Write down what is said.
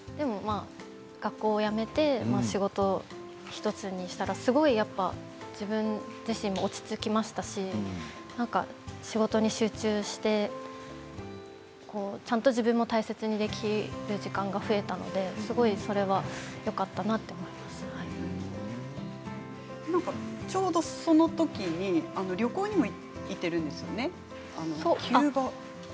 学校を辞めて仕事１つにしたらすごい、やっぱ自分自身も落ち着きましたし仕事に集中してちゃんと自分も大切にできる時間が増えたのですごいそれはちょうど、その時に旅行にも行っているんですよね。